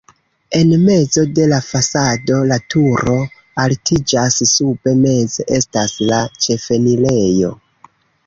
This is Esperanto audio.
En mezo de la fasado la turo altiĝas, sube meze estas la ĉefenirejo.